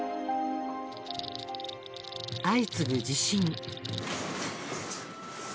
相次ぐ地震。